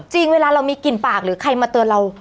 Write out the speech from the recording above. เวลาเรามีกลิ่นปากหรือใครมาเตือนเรา